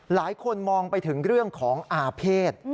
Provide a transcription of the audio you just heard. หลายคนมองไปถึงเรื่องของอาเภษ